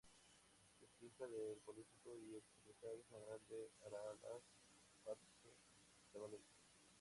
Es hija del político y ex secretario general de Aralar Patxi Zabaleta.